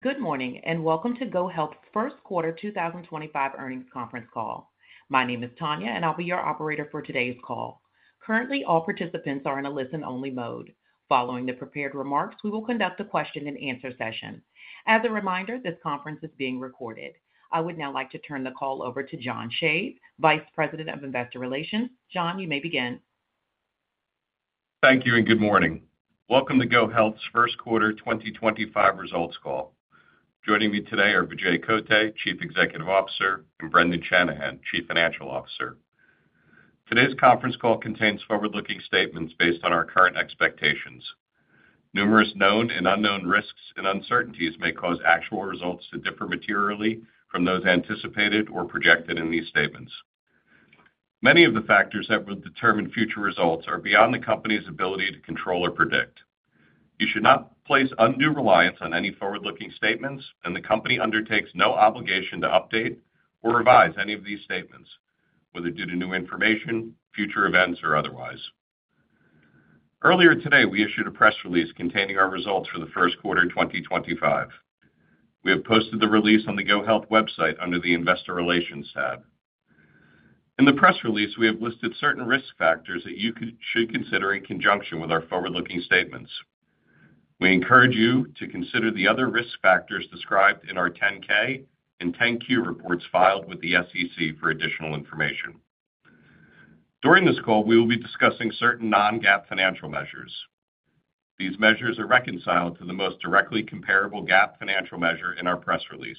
Good morning and welcome to GoHealth's first quarter 2025 earnings conference call. My name is Tanya, and I'll be your operator for today's call. Currently, all participants are in a listen-only mode. Following the prepared remarks, we will conduct a question-and-answer session. As a reminder, this conference is being recorded. I would now like to turn the call over to John Shave, Vice President of Investor Relations. John, you may begin. Thank you and good morning. Welcome to GoHealth's first quarter 2025 results call. Joining me today are Vijay Kotte, Chief Executive Officer, and Brendan Shanahan, Chief Financial Officer. Today's conference call contains forward-looking statements based on our current expectations. Numerous known and unknown risks and uncertainties may cause actual results to differ materially from those anticipated or projected in these statements. Many of the factors that will determine future results are beyond the company's ability to control or predict. You should not place undue reliance on any forward-looking statements, and the company undertakes no obligation to update or revise any of these statements, whether due to new information, future events, or otherwise. Earlier today, we issued a press release containing our results for the first quarter 2025. We have posted the release on the GoHealth website under the Investor Relations tab. In the press release, we have listed certain risk factors that you should consider in conjunction with our forward-looking statements. We encourage you to consider the other risk factors described in our 10-K and 10-Q reports filed with the SEC for additional information. During this call, we will be discussing certain non-GAAP financial measures. These measures are reconciled to the most directly comparable GAAP financial measure in our press release.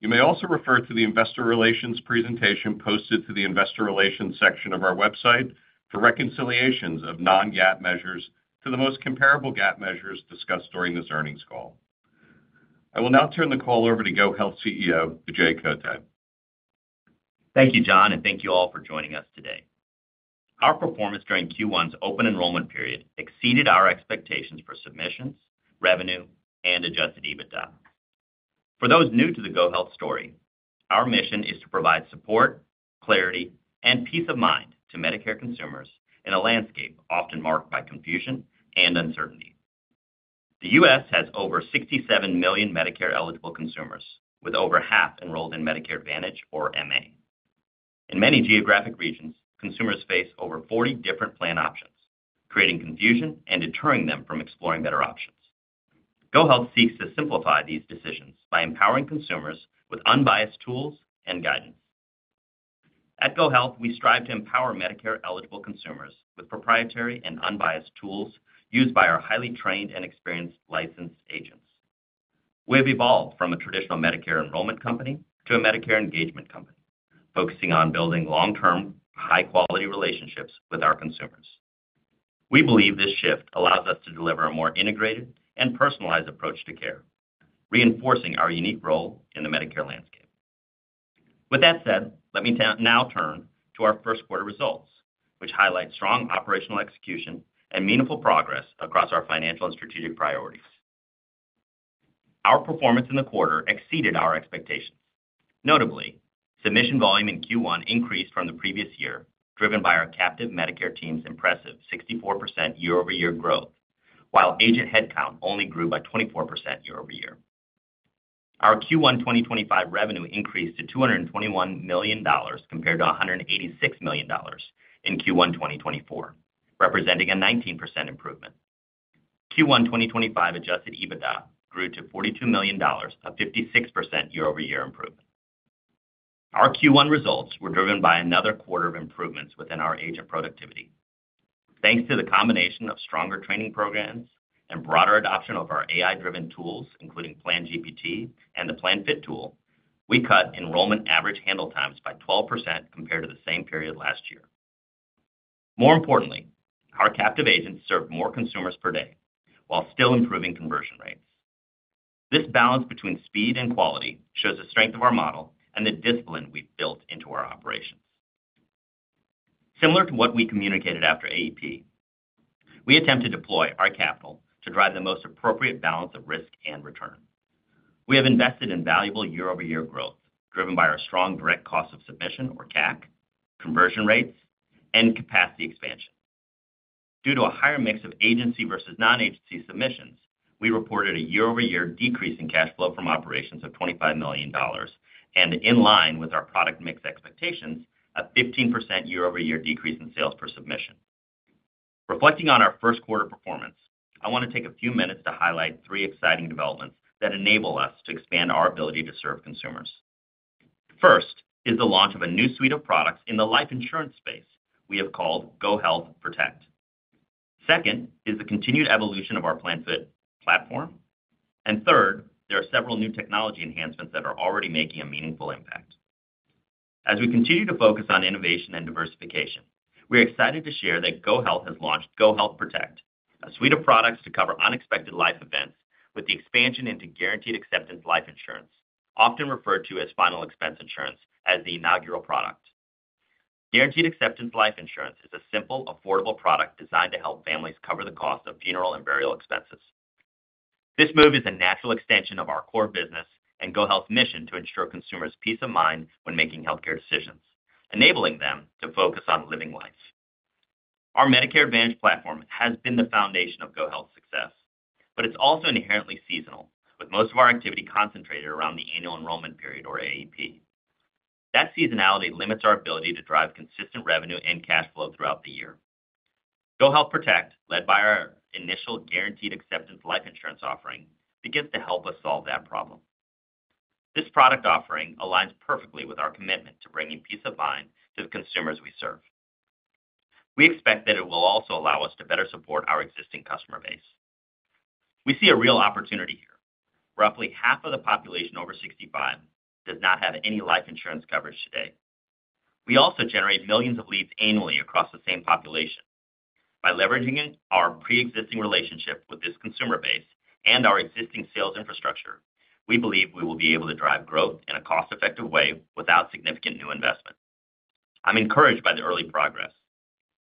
You may also refer to the Investor Relations presentation posted to the Investor Relations section of our website for reconciliations of non-GAAP measures to the most comparable GAAP measures discussed during this earnings call. I will now turn the call over to GoHealth CEO, Vijay Kotte. Thank you, John, and thank you all for joining us today. Our performance during Q1's open enrollment period exceeded our expectations for submissions, revenue, and adjusted EBITDA. For those new to the GoHealth story, our mission is to provide support, clarity, and peace of mind to Medicare consumers in a landscape often marked by confusion and uncertainty. The U.S. has over 67 million Medicare-eligible consumers, with over half enrolled in Medicare Advantage, or MA. In many geographic regions, consumers face over 40 different plan options, creating confusion and deterring them from exploring better options. GoHealth seeks to simplify these decisions by empowering consumers with unbiased tools and guidance. At GoHealth, we strive to empower Medicare-eligible consumers with proprietary and unbiased tools used by our highly trained and experienced licensed agents. We have evolved from a traditional Medicare enrollment company to a Medicare engagement company, focusing on building long-term, high-quality relationships with our consumers. We believe this shift allows us to deliver a more integrated and personalized approach to care, reinforcing our unique role in the Medicare landscape. With that said, let me now turn to our first quarter results, which highlight strong operational execution and meaningful progress across our financial and strategic priorities. Our performance in the quarter exceeded our expectations. Notably, submission volume in Q1 increased from the previous year, driven by our captive Medicare team's impressive 64% year-over-year growth, while agent headcount only grew by 24% year-over-year. Our Q1 2025 revenue increased to $221 million compared to $186 million in Q1 2024, representing a 19% improvement. Q1 2025 adjusted EBITDA grew to $42 million, a 56% year-over-year improvement. Our Q1 results were driven by another quarter of improvements within our agent productivity. Thanks to the combination of stronger training programs and broader adoption of our AI-driven tools, including PlanGPT and the PlanFit tool, we cut enrollment average handle times by 12% compared to the same period last year. More importantly, our captive agents served more consumers per day while still improving conversion rates. This balance between speed and quality shows the strength of our model and the discipline we have built into our operations. Similar to what we communicated after AEP, we attempt to deploy our capital to drive the most appropriate balance of risk and return. We have invested in valuable year-over-year growth driven by our strong direct cost of submission, or CAC, conversion rates, and capacity expansion. Due to a higher mix of agency versus non-agency submissions, we reported a year-over-year decrease in cash flow from operations of $25 million, and in line with our product mix expectations, a 15% year-over-year decrease in sales per submission. Reflecting on our first quarter performance, I want to take a few minutes to highlight three exciting developments that enable us to expand our ability to serve consumers. First is the launch of a new suite of products in the life insurance space we have called GoHealth Protect. Second is the continued evolution of our PlanFit platform. Third, there are several new technology enhancements that are already making a meaningful impact. As we continue to focus on innovation and diversification, we are excited to share that GoHealth has launched GoHealth Protect, a suite of products to cover unexpected life events with the expansion into Guaranteed Acceptance Life Insurance, often referred to as Final Expense Insurance as the inaugural product. Guaranteed Acceptance Life Insurance is a simple, affordable product designed to help families cover the cost of funeral and burial expenses. This move is a natural extension of our core business and GoHealth's mission to ensure consumers' peace of mind when making healthcare decisions, enabling them to focus on living life. Our Medicare Advantage platform has been the foundation of GoHealth's success, but it's also inherently seasonal, with most of our activity concentrated around the annual enrollment period, or AEP. That seasonality limits our ability to drive consistent revenue and cash flow throughout the year. GoHealth Protect, led by our initial Guaranteed Acceptance Life Insurance offering, begins to help us solve that problem. This product offering aligns perfectly with our commitment to bringing peace of mind to the consumers we serve. We expect that it will also allow us to better support our existing customer base. We see a real opportunity here. Roughly half of the population over 65 does not have any life insurance coverage today. We also generate millions of leads annually across the same population. By leveraging our pre-existing relationship with this consumer base and our existing sales infrastructure, we believe we will be able to drive growth in a cost-effective way without significant new investment. I'm encouraged by the early progress.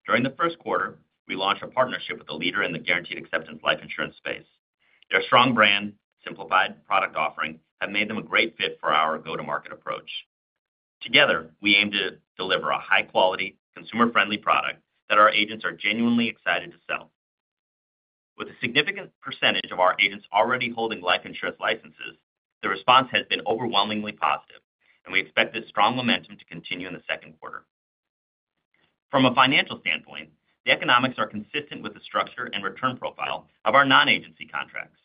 During the first quarter, we launched a partnership with a leader in the Guaranteed Acceptance Life Insurance space. Their strong brand, simplified product offering, has made them a great fit for our go-to-market approach. Together, we aim to deliver a high-quality, consumer-friendly product that our agents are genuinely excited to sell. With a significant percentage of our agents already holding life insurance licenses, the response has been overwhelmingly positive, and we expect this strong momentum to continue in the second quarter. From a financial standpoint, the economics are consistent with the structure and return profile of our non-agency contracts.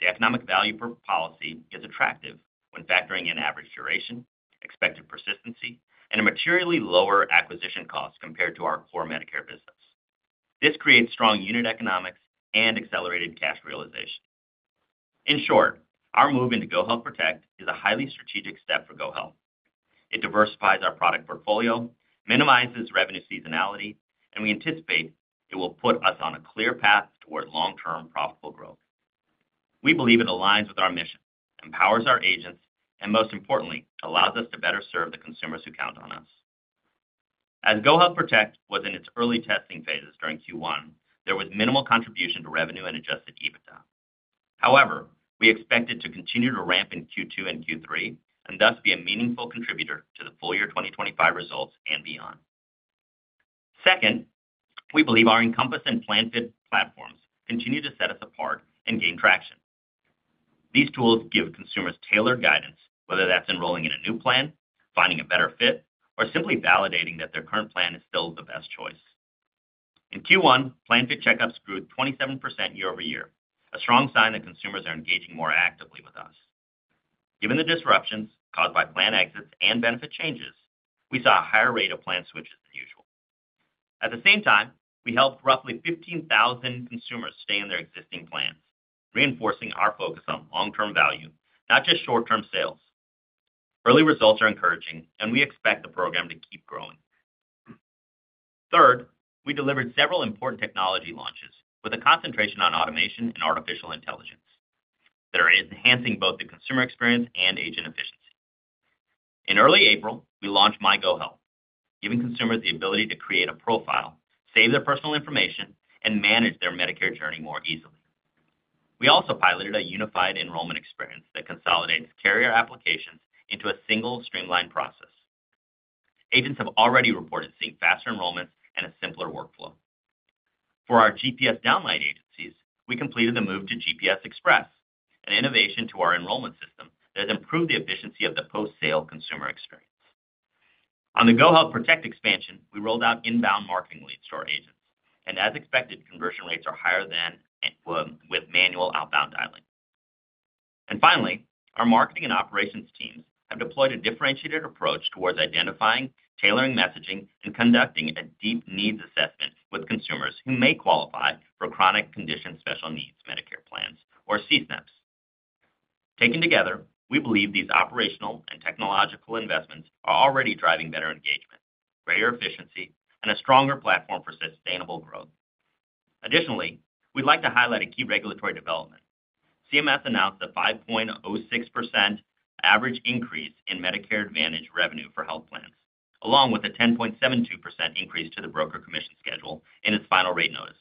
The economic value for policy is attractive when factoring in average duration, expected persistency, and a materially lower acquisition cost compared to our core Medicare business. This creates strong unit economics and accelerated cash realization. In short, our move into GoHealth Protect is a highly strategic step for GoHealth. It diversifies our product portfolio, minimizes revenue seasonality, and we anticipate it will put us on a clear path toward long-term profitable growth. We believe it aligns with our mission, empowers our agents, and most importantly, allows us to better serve the consumers who count on us. As GoHealth Protect was in its early testing phases during Q1, there was minimal contribution to revenue and adjusted EBITDA. However, we expect it to continue to ramp in Q2 and Q3 and thus be a meaningful contributor to the full year 2025 results and beyond. Second, we believe our Encompass and PlanFit platforms continue to set us apart and gain traction. These tools give consumers tailored guidance, whether that's enrolling in a new plan, finding a better fit, or simply validating that their current plan is still the best choice. In Q1, PlanFit checkups grew 27% year-over-year, a strong sign that consumers are engaging more actively with us. Given the disruptions caused by plan exits and benefit changes, we saw a higher rate of plan switches than usual. At the same time, we helped roughly 15,000 consumers stay in their existing plans, reinforcing our focus on long-term value, not just short-term sales. Early results are encouraging, and we expect the program to keep growing. Third, we delivered several important technology launches with a concentration on automation and artificial intelligence that are enhancing both the consumer experience and agent efficiency. In early April, we launched MyGoHealth, giving consumers the ability to create a profile, save their personal information, and manage their Medicare journey more easily. We also piloted a unified enrollment experience that consolidates carrier applications into a single, streamlined process. Agents have already reported seeing faster enrollments and a simpler workflow. For our GPS downline agencies, we completed the move to GPS Express, an innovation to our enrollment system that has improved the efficiency of the post-sale consumer experience. On the GoHealth Protect expansion, we rolled out inbound marketing leads to our agents, and as expected, conversion rates are higher than with manual outbound dialing. Finally, our marketing and operations teams have deployed a differentiated approach towards identifying, tailoring messaging, and conducting a deep needs assessment with consumers who may qualify for chronic condition special needs Medicare plans or CSNPs. Taken together, we believe these operational and technological investments are already driving better engagement, greater efficiency, and a stronger platform for sustainable growth. Additionally, we'd like to highlight a key regulatory development. CMS announced a 5.06% average increase in Medicare Advantage revenue for health plans, along with a 10.72% increase to the broker commission schedule in its final rate notice.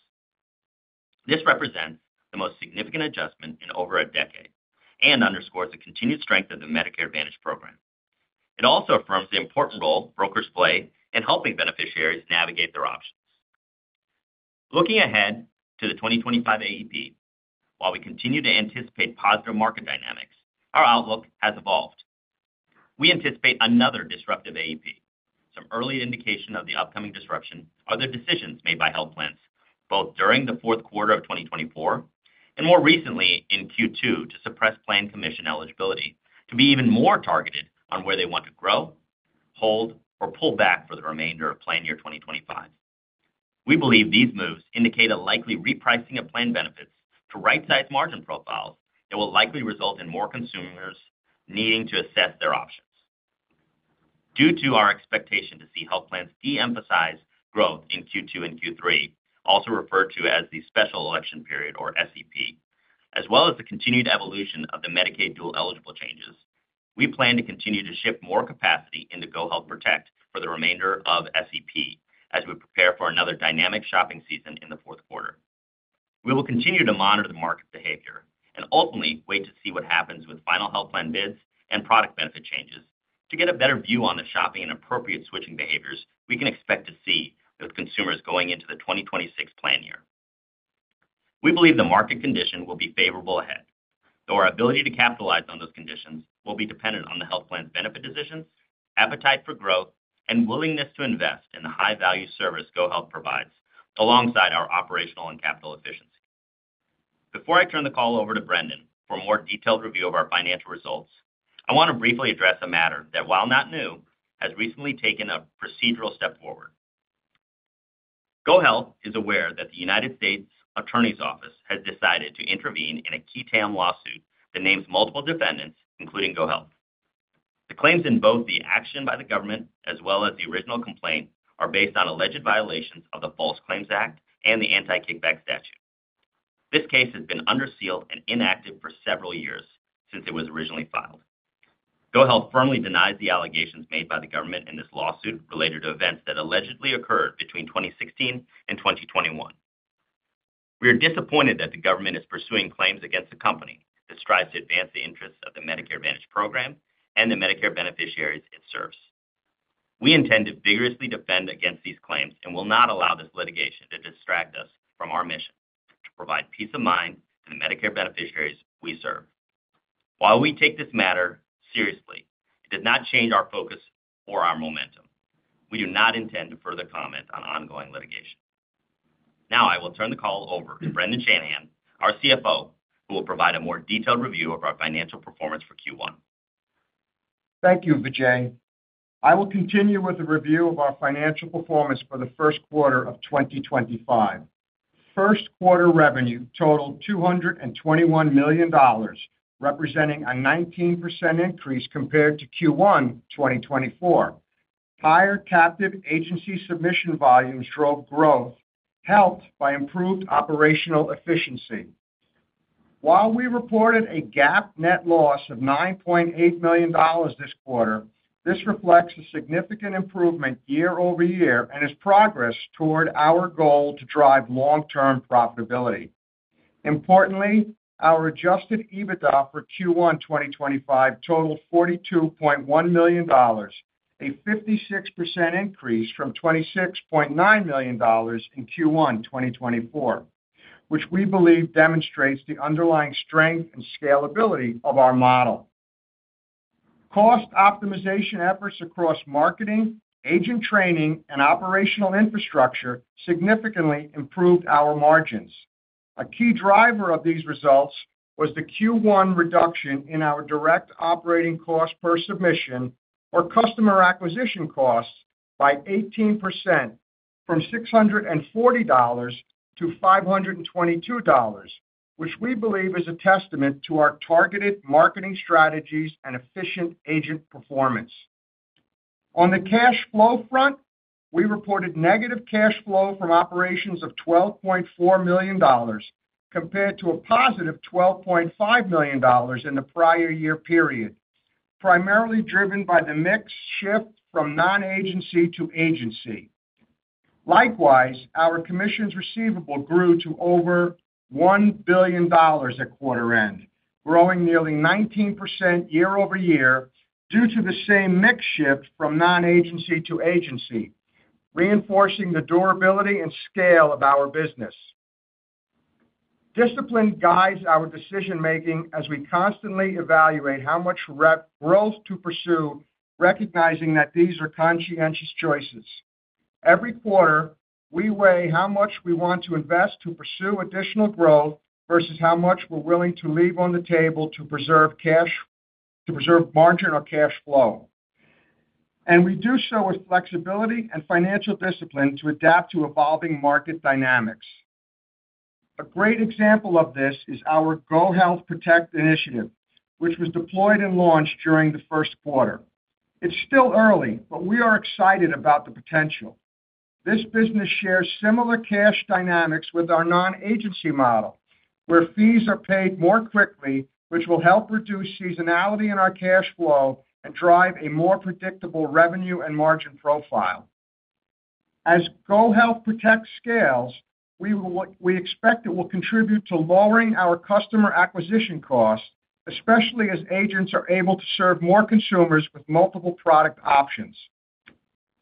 This represents the most significant adjustment in over a decade and underscores the continued strength of the Medicare Advantage program. It also affirms the important role brokers play in helping beneficiaries navigate their options. Looking ahead to the 2025 AEP, while we continue to anticipate positive market dynamics, our outlook has evolved. We anticipate another disruptive AEP. Some early indication of the upcoming disruption are the decisions made by health plans both during the fourth quarter of 2024 and more recently in Q2 to suppress plan commission eligibility to be even more targeted on where they want to grow, hold, or pull back for the remainder of plan year 2025. We believe these moves indicate a likely repricing of plan benefits to right-sized margin profiles that will likely result in more consumers needing to assess their options. Due to our expectation to see health plans de-emphasize growth in Q2 and Q3, also referred to as the special election period, or SEP, as well as the continued evolution of the Medicaid dual eligible changes, we plan to continue to shift more capacity into GoHealth Protect for the remainder of SEP as we prepare for another dynamic shopping season in the fourth quarter. We will continue to monitor the market behavior and ultimately wait to see what happens with final health plan bids and product benefit changes to get a better view on the shopping and appropriate switching behaviors we can expect to see with consumers going into the 2026 plan year. We believe the market condition will be favorable ahead, though our ability to capitalize on those conditions will be dependent on the health plan's benefit decisions, appetite for growth, and willingness to invest in the high-value service GoHealth provides alongside our operational and capital efficiency. Before I turn the call over to Brendan for a more detailed review of our financial results, I want to briefly address a matter that, while not new, has recently taken a procedural step forward. GoHealth is aware that the United States Attorney's Office has decided to intervene in a key TAM lawsuit that names multiple defendants, including GoHealth. The claims in both the action by the government as well as the original complaint are based on alleged violations of the False Claims Act and the Anti-Kickback Statute. This case has been under seal and inactive for several years since it was originally filed. GoHealth firmly denies the allegations made by the government in this lawsuit related to events that allegedly occurred between 2016 and 2021. We are disappointed that the government is pursuing claims against a company that strives to advance the interests of the Medicare Advantage program and the Medicare beneficiaries it serves. We intend to vigorously defend against these claims and will not allow this litigation to distract us from our mission to provide peace of mind to the Medicare beneficiaries we serve. While we take this matter seriously, it does not change our focus or our momentum. We do not intend to further comment on ongoing litigation. Now I will turn the call over to Brendan Shanahan, our CFO, who will provide a more detailed review of our financial performance for Q1. Thank you, Vijay. I will continue with the review of our financial performance for the first quarter of 2025. First quarter revenue totaled $221 million, representing a 19% increase compared to Q1 2024. Higher captive agency submission volumes drove growth, helped by improved operational efficiency. While we reported a GAAP net loss of $9.8 million this quarter, this reflects a significant improvement year-over-year and is progress toward our goal to drive long-term profitability. Importantly, our adjusted EBITDA for Q1 2025 totaled $42.1 million, a 56% increase from $26.9 million in Q1 2024, which we believe demonstrates the underlying strength and scalability of our model. Cost optimization efforts across marketing, agent training, and operational infrastructure significantly improved our margins. A key driver of these results was the Q1 reduction in our direct operating cost per submission, or customer acquisition costs, by 18% from $640 to $522, which we believe is a testament to our targeted marketing strategies and efficient agent performance. On the cash flow front, we reported negative cash flow from operations of $12.4 million compared to a positive $12.5 million in the prior year period, primarily driven by the mix shift from non-agency to agency. Likewise, our commissions receivable grew to over $1 billion at quarter end, growing nearly 19% year-over-year due to the same mix shift from non-agency to agency, reinforcing the durability and scale of our business. Discipline guides our decision-making as we constantly evaluate how much growth to pursue, recognizing that these are conscientious choices. Every quarter, we weigh how much we want to invest to pursue additional growth versus how much we're willing to leave on the table to preserve margin or cash flow. We do so with flexibility and financial discipline to adapt to evolving market dynamics. A great example of this is our GoHealth Protect initiative, which was deployed and launched during the first quarter. It's still early, but we are excited about the potential. This business shares similar cash dynamics with our non-agency model, where fees are paid more quickly, which will help reduce seasonality in our cash flow and drive a more predictable revenue and margin profile. As GoHealth Protect scales, we expect it will contribute to lowering our customer acquisition costs, especially as agents are able to serve more consumers with multiple product options.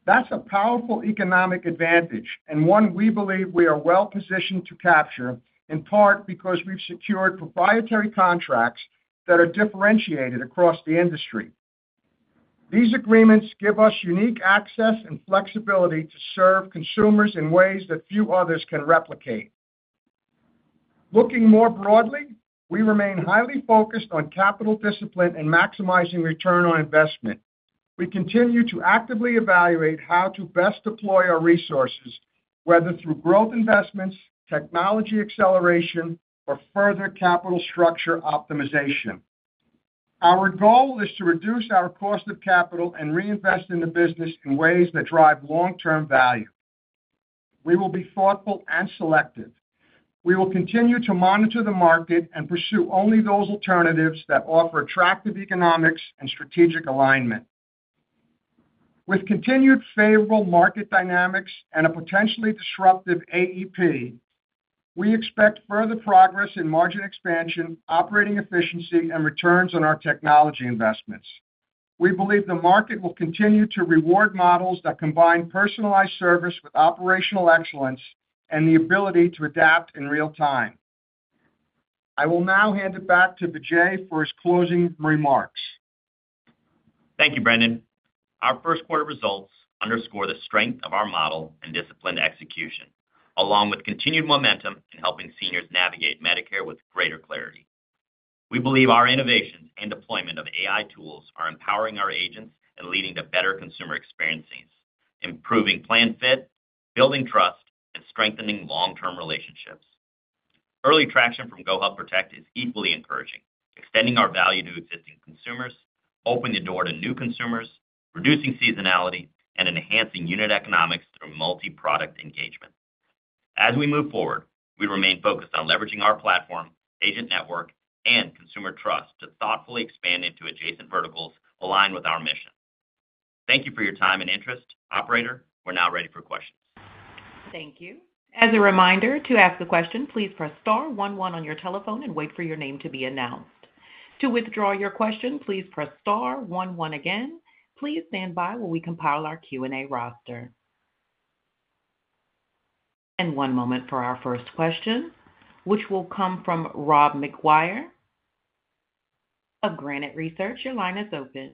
That's a powerful economic advantage and one we believe we are well positioned to capture, in part because we've secured proprietary contracts that are differentiated across the industry. These agreements give us unique access and flexibility to serve consumers in ways that few others can replicate. Looking more broadly, we remain highly focused on capital discipline and maximizing return on investment. We continue to actively evaluate how to best deploy our resources, whether through growth investments, technology acceleration, or further capital structure optimization. Our goal is to reduce our cost of capital and reinvest in the business in ways that drive long-term value. We will be thoughtful and selective. We will continue to monitor the market and pursue only those alternatives that offer attractive economics and strategic alignment. With continued favorable market dynamics and a potentially disruptive AEP, we expect further progress in margin expansion, operating efficiency, and returns on our technology investments. We believe the market will continue to reward models that combine personalized service with operational excellence and the ability to adapt in real time. I will now hand it back to Vijay for his closing remarks. Thank you, Brendan. Our first quarter results underscore the strength of our model and disciplined execution, along with continued momentum in helping seniors navigate Medicare with greater clarity. We believe our innovations and deployment of AI tools are empowering our agents and leading to better consumer experiences, improving plan fit, building trust, and strengthening long-term relationships. Early traction from GoHealth Protect is equally encouraging, extending our value to existing consumers, opening the door to new consumers, reducing seasonality, and enhancing unit economics through multi-product engagement. As we move forward, we remain focused on leveraging our platform, agent network, and consumer trust to thoughtfully expand into adjacent verticals aligned with our mission. Thank you for your time and interest, operator. We're now ready for questions. Thank you. As a reminder, to ask a question, please press star one one on your telephone and wait for your name to be announced. To withdraw your question, please press star one one again. Please stand by while we compile our Q&A roster. One moment for our first question, which will come from Rob McGuire of Granite Research. Your line is open.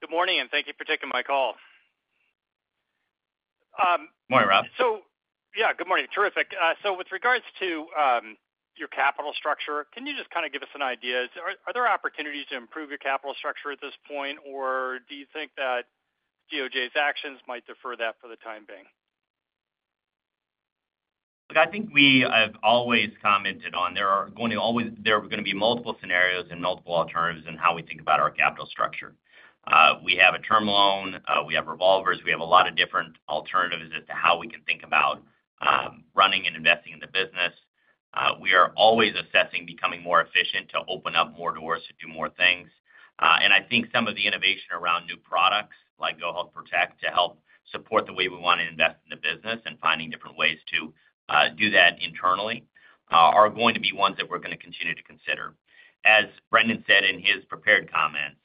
Good morning, and thank you for taking my call. Morning, Rob. Yeah, good morning. Terrific. With regards to your capital structure, can you just kind of give us an idea? Are there opportunities to improve your capital structure at this point, or do you think that DOJ's actions might defer that for the time being? I think we have always commented on there are going to be multiple scenarios and multiple alternatives in how we think about our capital structure. We have a term loan. We have revolvers. We have a lot of different alternatives as to how we can think about running and investing in the business. We are always assessing becoming more efficient to open up more doors to do more things. I think some of the innovation around new products like GoHealth Protect to help support the way we want to invest in the business and finding different ways to do that internally are going to be ones that we're going to continue to consider. As Brendan said in his prepared comments,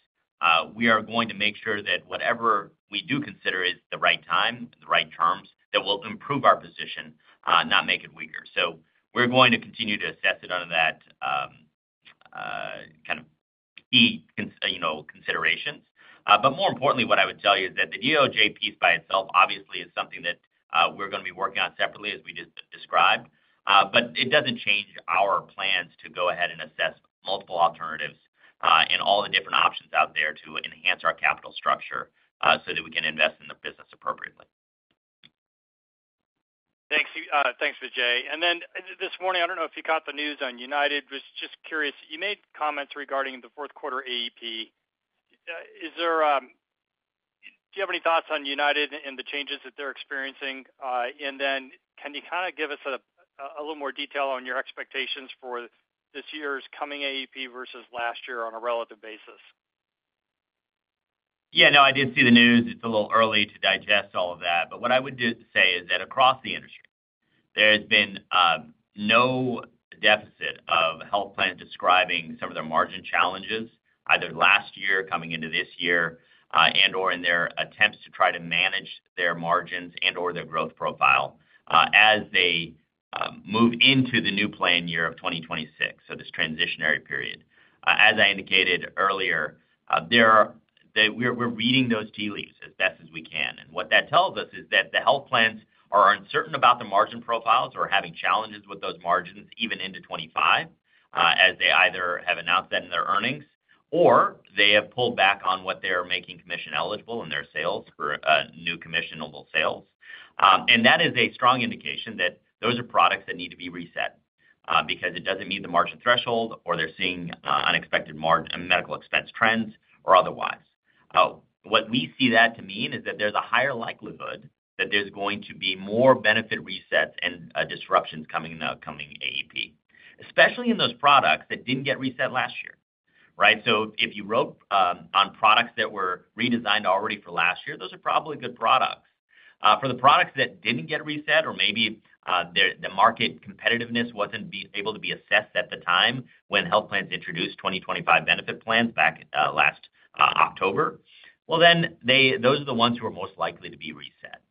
we are going to make sure that whatever we do consider is the right time, the right terms that will improve our position, not make it weaker. We are going to continue to assess it under that kind of key considerations. More importantly, what I would tell you is that the DOJ piece by itself obviously is something that we are going to be working on separately, as we just described. It does not change our plans to go ahead and assess multiple alternatives and all the different options out there to enhance our capital structure so that we can invest in the business appropriately. Thanks, Vijay. This morning, I do not know if you caught the news on United. I was just curious. You made comments regarding the fourth quarter AEP. Do you have any thoughts on United and the changes that they're experiencing? Can you kind of give us a little more detail on your expectations for this year's coming AEP versus last year on a relative basis? Yeah, no, I did see the news. It's a little early to digest all of that. What I would say is that across the industry, there has been no deficit of health plans describing some of their margin challenges, either last year coming into this year and/or in their attempts to try to manage their margins and/or their growth profile as they move into the new plan year of 2026, so this transitionary period. As I indicated earlier, we're reading those tea leaves as best as we can. What that tells us is that the health plans are uncertain about the margin profiles or having challenges with those margins even into 2025, as they either have announced that in their earnings or they have pulled back on what they are making commission eligible in their sales for new commissionable sales. That is a strong indication that those are products that need to be reset because it does not meet the margin threshold or they are seeing unexpected medical expense trends or otherwise. What we see that to mean is that there is a higher likelihood that there is going to be more benefit resets and disruptions coming in the upcoming AEP, especially in those products that did not get reset last year, right? If you wrote on products that were redesigned already for last year, those are probably good products. For the products that did not get reset or maybe the market competitiveness was not able to be assessed at the time when health plans introduced 2025 benefit plans back last October, those are the ones who are most likely to be reset.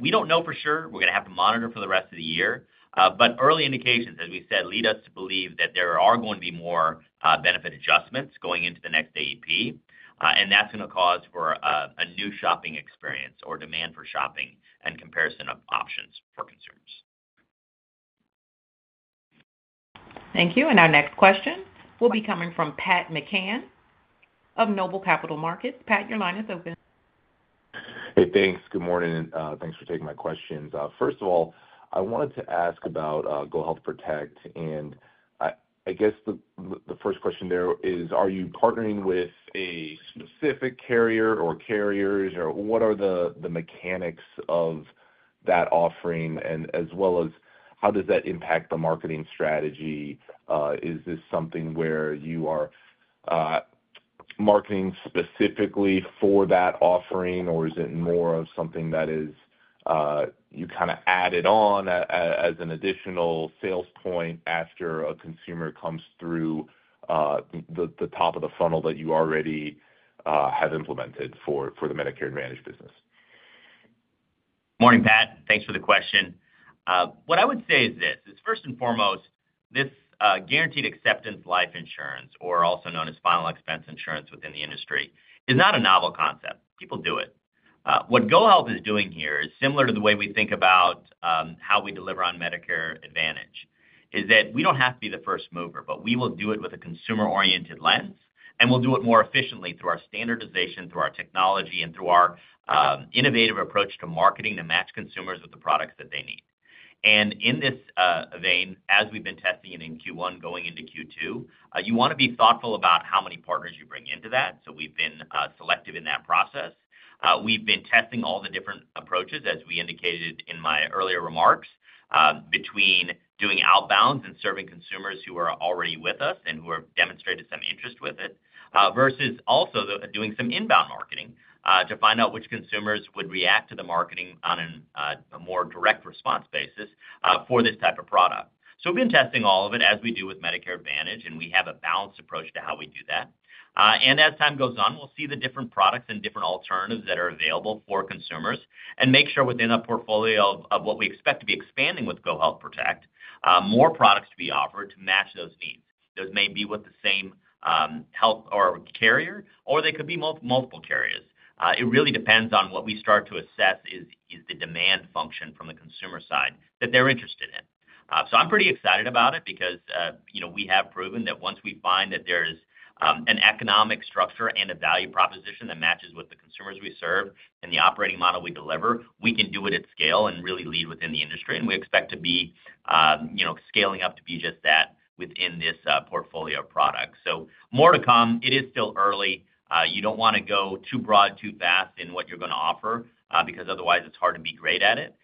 We do not know for sure. We are going to have to monitor for the rest of the year. Early indications, as we said, lead us to believe that there are going to be more benefit adjustments going into the next AEP. That is going to cause a new shopping experience or demand for shopping and comparison of options for consumers. Thank you. Our next question will be coming from Pat McCann of Noble Capital Markets. Pat, your line is open. Hey, thanks. Good morning. Thanks for taking my questions. First of all, I wanted to ask about GoHealth Protect. I guess the first question there is, are you partnering with a specific carrier or carriers, or what are the mechanics of that offering, and as well as how does that impact the marketing strategy? Is this something where you are marketing specifically for that offering, or is it more of something that you kind of added on as an additional sales point after a consumer comes through the top of the funnel that you already have implemented for the Medicare Advantage business? Morning, Pat. Thanks for the question. What I would say is this: first and foremost, this guaranteed acceptance life insurance, or also known as final expense insurance within the industry, is not a novel concept. People do it. What GoHealth is doing here is similar to the way we think about how we deliver on Medicare Advantage, is that we do not have to be the first mover, but we will do it with a consumer-oriented lens, and we will do it more efficiently through our standardization, through our technology, and through our innovative approach to marketing to match consumers with the products that they need. In this vein, as we have been testing it in Q1 going into Q2, you want to be thoughtful about how many partners you bring into that. We have been selective in that process. We've been testing all the different approaches, as we indicated in my earlier remarks, between doing outbounds and serving consumers who are already with us and who have demonstrated some interest with it, versus also doing some inbound marketing to find out which consumers would react to the marketing on a more direct response basis for this type of product. We've been testing all of it as we do with Medicare Advantage, and we have a balanced approach to how we do that. As time goes on, we'll see the different products and different alternatives that are available for consumers and make sure within a portfolio of what we expect to be expanding with GoHealth Protect, more products to be offered to match those needs. Those may be with the same health or carrier, or they could be multiple carriers. It really depends on what we start to assess is the demand function from the consumer side that they're interested in. I'm pretty excited about it because we have proven that once we find that there is an economic structure and a value proposition that matches with the consumers we serve and the operating model we deliver, we can do it at scale and really lead within the industry. We expect to be scaling up to be just that within this portfolio of products. More to come. It is still early. You don't want to go too broad, too fast in what you're going to offer because otherwise it's hard to be great at it.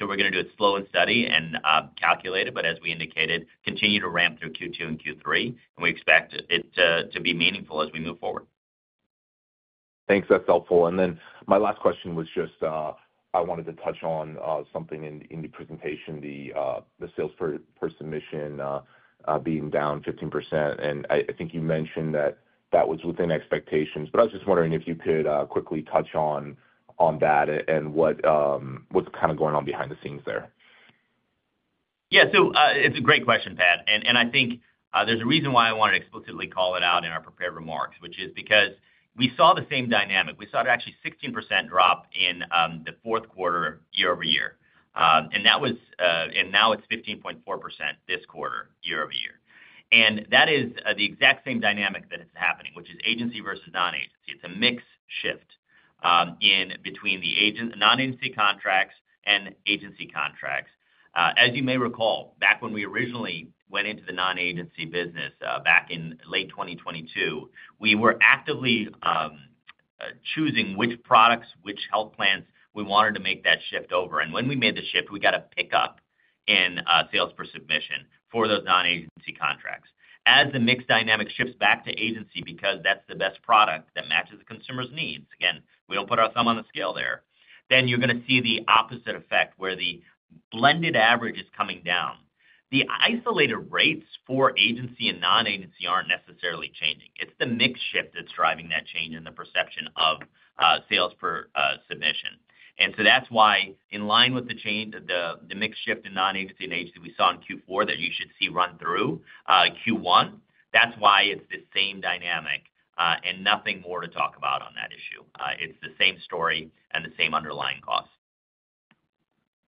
We're going to do it slow and steady and calculated, but as we indicated, continue to ramp through Q2 and Q3, and we expect it to be meaningful as we move forward. Thanks. That's helpful. My last question was just I wanted to touch on something in the presentation, the sales per submission being down 15%. I think you mentioned that that was within expectations, but I was just wondering if you could quickly touch on that and what's kind of going on behind the scenes there. Yeah. It's a great question, Pat. I think there's a reason why I wanted to explicitly call it out in our prepared remarks, which is because we saw the same dynamic. We saw an actually 16% drop in the fourth quarter year-over-year. Now it's 15.4% this quarter year-over-year. That is the exact same dynamic that is happening, which is agency versus non-agency. It is a mixed shift between the non-agency contracts and agency contracts. As you may recall, back when we originally went into the non-agency business back in late 2022, we were actively choosing which products, which health plans we wanted to make that shift over. When we made the shift, we got a pickup in sales per submission for those non-agency contracts. As the mixed dynamic shifts back to agency because that is the best product that matches the consumer's needs, again, we do not put our thumb on the scale there, you are going to see the opposite effect where the blended average is coming down. The isolated rates for agency and non-agency are not necessarily changing. It is the mixed shift that is driving that change in the perception of sales per submission. That is why, in line with the mixed shift in non-agency and agency we saw in Q4 that you should see run through Q1, it is the same dynamic and nothing more to talk about on that issue. It is the same story and the same underlying costs.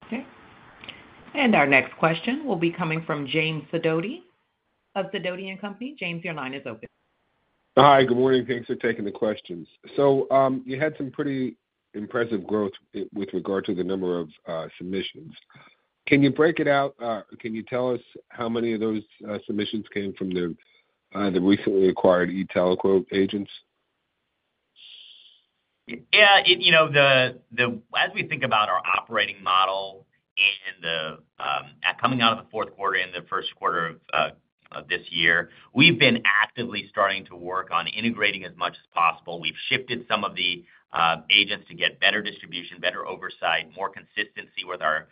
Okay. Our next question will be coming from James Sadotti of Sadotti & Company. James, your line is open. Hi. Good morning. Thanks for taking the questions. You had some pretty impressive growth with regard to the number of submissions. Can you break it out? Can you tell us how many of those submissions came from the recently acquired eTeleCare agents? Yeah. As we think about our operating model and coming out of the fourth quarter and the first quarter of this year, we have been actively starting to work on integrating as much as possible. We've shifted some of the agents to get better distribution, better oversight, more consistency with our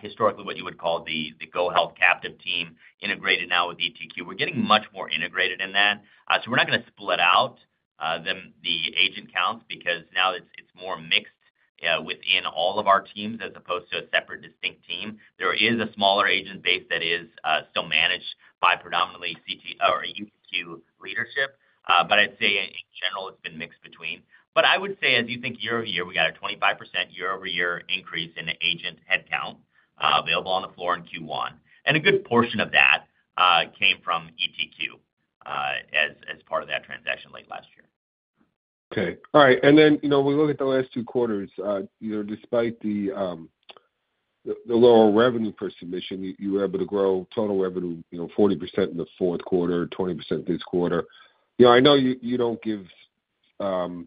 historically what you would call the GoHealth captive team integrated now with eTeleCare. We're getting much more integrated in that. We're not going to split out the agent counts because now it's more mixed within all of our teams as opposed to a separate distinct team. There is a smaller agent base that is still managed by predominantly eTeleCare leadership. I'd say, in general, it's been mixed between. I would say, as you think year-over-year, we got a 25% year-over-year increase in agent headcount available on the floor in Q1. A good portion of that came from eTeleCare as part of that transaction late last year. Okay. All right. And then we look at the last two quarters. Despite the lower revenue per submission, you were able to grow total revenue 40% in the fourth quarter, 20% this quarter. I know you do not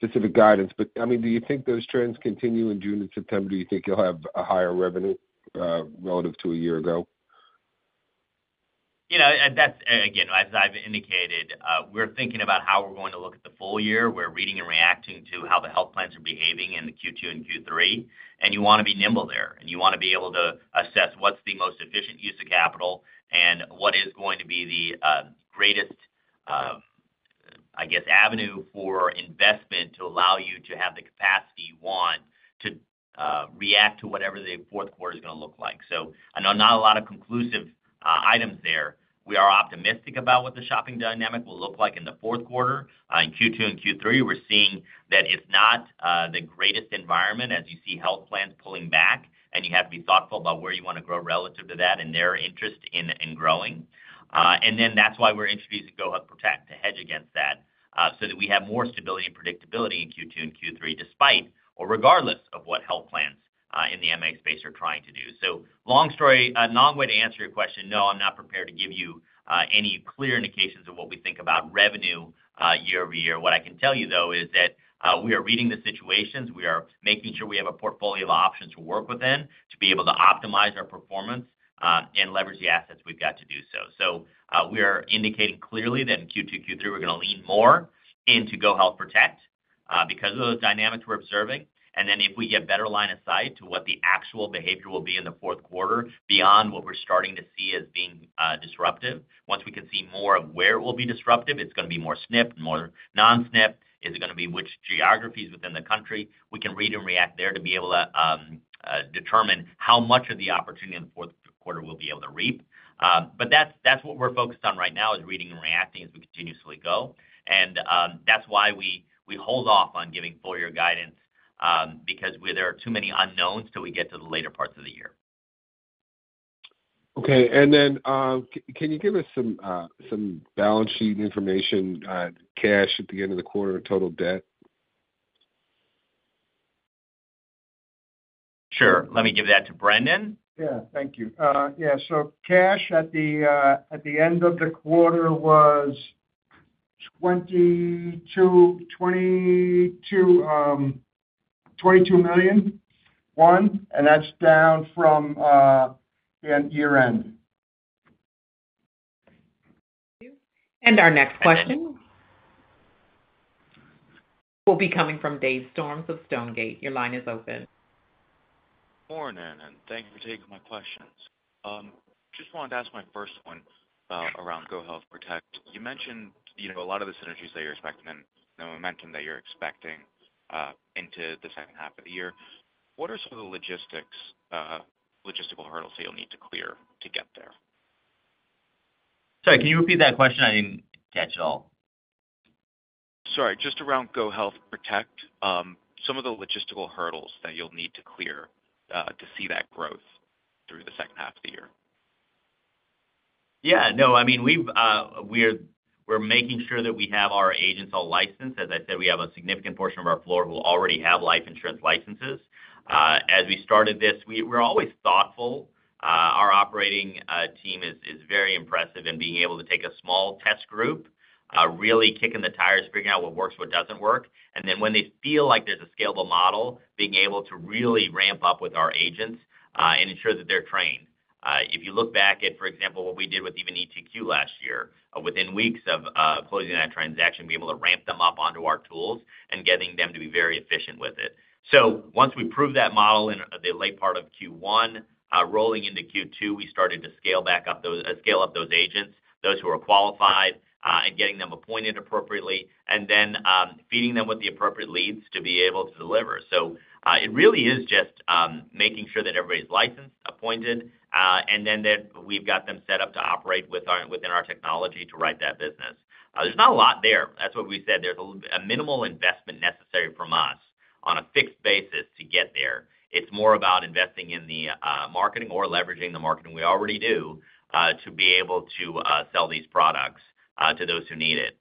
give specific guidance, but I mean, do you think those trends continue in June and September? Do you think you will have a higher revenue relative to a year ago? Again, as I have indicated, we are thinking about how we are going to look at the full year. We are reading and reacting to how the health plans are behaving in the Q2 and Q3. You want to be nimble there. You want to be able to assess what is the most efficient use of capital and what is going to be the greatest, I guess, avenue for investment to allow you to have the capacity you want to react to whatever the fourth quarter is going to look like. Not a lot of conclusive items there. We are optimistic about what the shopping dynamic will look like in the fourth quarter. In Q2 and Q3, we're seeing that it's not the greatest environment as you see health plans pulling back. You have to be thoughtful about where you want to grow relative to that and their interest in growing. That is why we're introducing GoHealth Protect to hedge against that so that we have more stability and predictability in Q2 and Q3 despite or regardless of what health plans in the MA space are trying to do. Long story, long way to answer your question, no, I'm not prepared to give you any clear indications of what we think about revenue year-over-year. What I can tell you, though, is that we are reading the situations. We are making sure we have a portfolio of options to work within to be able to optimize our performance and leverage the assets we have got to do so. We are indicating clearly that in Q2, Q3, we are going to lean more into GoHealth Protect because of those dynamics we are observing. If we get better line of sight to what the actual behavior will be in the fourth quarter beyond what we are starting to see as being disruptive, once we can see more of where it will be disruptive, it is going to be more CSNP and more non-CSNP. Is it going to be which geographies within the country? We can read and react there to be able to determine how much of the opportunity in the fourth quarter we will be able to reap. That's what we're focused on right now is reading and reacting as we continuously go. That's why we hold off on giving full year guidance because there are too many unknowns till we get to the later parts of the year. Okay. Can you give us some balance sheet information, cash at the end of the quarter, total debt? Sure. Let me give that to Brendan. Yeah. Thank you. Yeah. Cash at the end of the quarter was $22 million. That's down from year end. Our next question will be coming from Dave Storms of Stonegate. Your line is open. Good morning. Thank you for taking my questions. Just wanted to ask my first one around GoHealth Protect. You mentioned a lot of the synergies that you're expecting and the momentum that you're expecting into the second half of the year. What are some of the logistical hurdles that you'll need to clear to get there? Sorry. Can you repeat that question? I didn't catch it all. Sorry. Just around GoHealth Protect, some of the logistical hurdles that you'll need to clear to see that growth through the second half of the year? Yeah. No, I mean, we're making sure that we have our agents all licensed. As I said, we have a significant portion of our floor who already have life insurance licenses. As we started this, we're always thoughtful. Our operating team is very impressive in being able to take a small test group, really kicking the tires, figuring out what works, what doesn't work. When they feel like there's a scalable model, being able to really ramp up with our agents and ensure that they're trained. If you look back at, for example, what we did with even eTeleCare last year, within weeks of closing that transaction, being able to ramp them up onto our tools and getting them to be very efficient with it. Once we proved that model in the late part of Q1, rolling into Q2, we started to scale back up those agents, those who are qualified, and getting them appointed appropriately, and then feeding them with the appropriate leads to be able to deliver. It really is just making sure that everybody's licensed, appointed, and then that we've got them set up to operate within our technology to write that business. There's not a lot there. That's what we said. There's a minimal investment necessary from us on a fixed basis to get there. It's more about investing in the marketing or leveraging the marketing we already do to be able to sell these products to those who need it.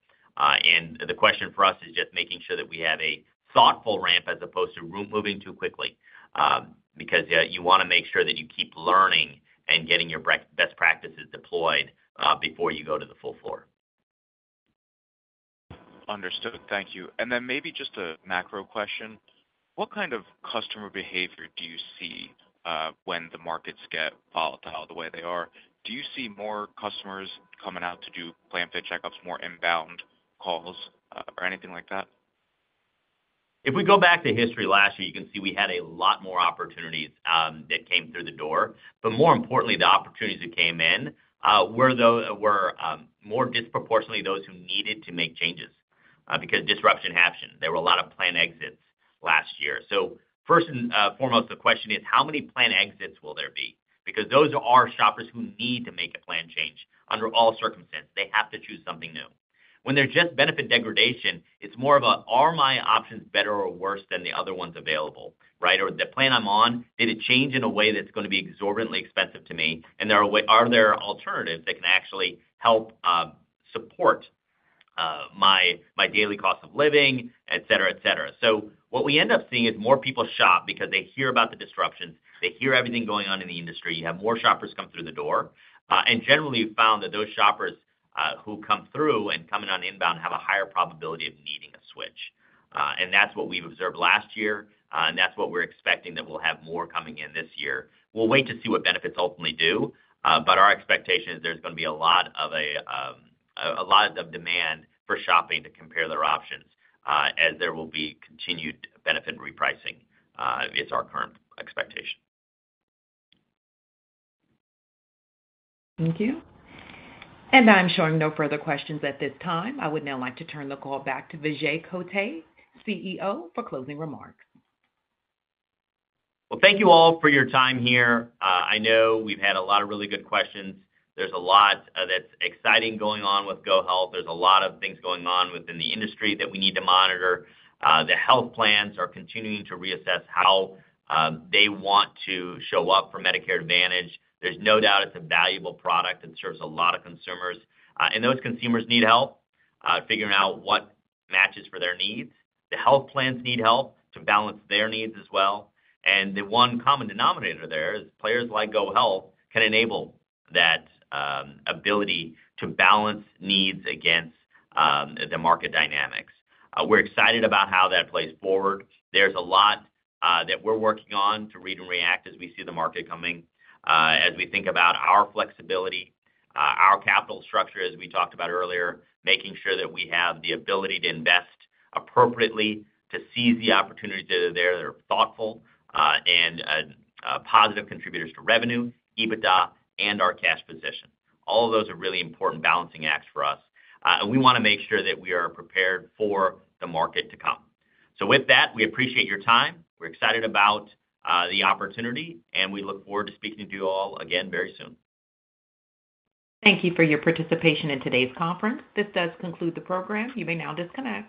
The question for us is just making sure that we have a thoughtful ramp as opposed to moving too quickly because you want to make sure that you keep learning and getting your best practices deployed before you go to the full floor. Understood. Thank you. Maybe just a macro question. What kind of customer behavior do you see when the markets get volatile the way they are? Do you see more customers coming out to do PlanFit checkups, more inbound calls, or anything like that? If we go back to history last year, you can see we had a lot more opportunities that came through the door. More importantly, the opportunities that came in were more disproportionately those who needed to make changes because disruption happened. There were a lot of plan exits last year. First and foremost, the question is, how many plan exits will there be? Because those are shoppers who need to make a plan change under all circumstances. They have to choose something new. When there is just benefit degradation, it is more of a, are my options better or worse than the other ones available, right? Or the plan I am on, did it change in a way that is going to be exorbitantly expensive to me? And are there alternatives that can actually help support my daily cost of living, etc., etc.? What we end up seeing is more people shop because they hear about the disruptions. They hear everything going on in the industry. You have more shoppers come through the door. Generally, we've found that those shoppers who come through and come in on inbound have a higher probability of needing a switch. That's what we've observed last year. That's what we're expecting, that we'll have more coming in this year. We'll wait to see what benefits ultimately do. Our expectation is there's going to be a lot of demand for shopping to compare their options as there will be continued benefit repricing. It's our current expectation. Thank you. I'm showing no further questions at this time. I would now like to turn the call back to Vijay Kotte, CEO, for closing remarks. Thank you all for your time here. I know we've had a lot of really good questions. There's a lot that's exciting going on with GoHealth. There's a lot of things going on within the industry that we need to monitor. The health plans are continuing to reassess how they want to show up for Medicare Advantage. There's no doubt it's a valuable product that serves a lot of consumers. And those consumers need help figuring out what matches for their needs. The health plans need help to balance their needs as well. The one common denominator there is players like GoHealth can enable that ability to balance needs against the market dynamics. We're excited about how that plays forward. There's a lot that we're working on to read and react as we see the market coming, as we think about our flexibility, our capital structure, as we talked about earlier, making sure that we have the ability to invest appropriately, to seize the opportunities that are there, that are thoughtful and positive contributors to revenue, EBITDA, and our cash position. All of those are really important balancing acts for us. We want to make sure that we are prepared for the market to come. With that, we appreciate your time. We're excited about the opportunity. We look forward to speaking to you all again very soon. Thank you for your participation in today's conference. This does conclude the program. You may now disconnect.